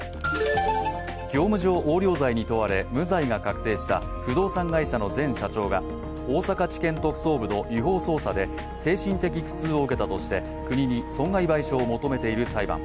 業務上横領罪に問われ無罪が確定した不動参会者の前社長が大阪地検特捜部の違法捜査で精神的苦痛を受けたとして国に損害賠償を求めている裁判。